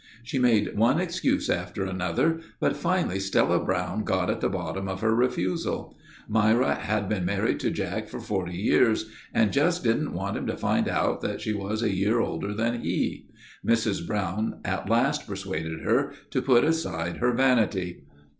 She made one excuse after another, but finally Stella Brown got at the bottom of her refusal. Myra had been married to Jack for 40 years and just didn't want him to find out that she was a year older than he. Mrs. Brown at last persuaded her to put aside her vanity.